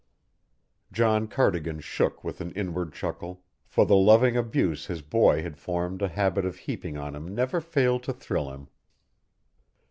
John Cardigan shook with an inward chuckle, for the loving abuse his boy had formed a habit of heaping on him never failed to thrill him.